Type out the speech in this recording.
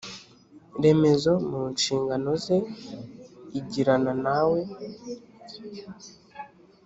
remezo mu nshingano ze igirana nawe